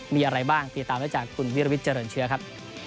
มีอะไรบ้างติดตามได้จากคุณวิรวิทย์เจริญเชื้อครับ